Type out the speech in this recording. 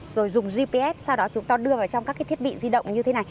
rồi dùng gps sau đó chúng ta đưa vào trong các cái thiết bị di động như thế này